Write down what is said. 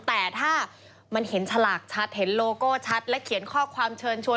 แต่ถ้ามันเห็นฉลากชัดเห็นโลโก้ชัดและเขียนข้อความเชิญชวน